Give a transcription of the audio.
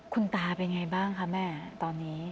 คุณตาเป็นไงบ้างคะแม่ตอนนี้